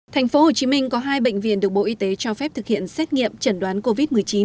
tp hcm có hai bệnh viện được bộ y tế cho phép thực hiện xét nghiệm chẩn đoán covid một mươi chín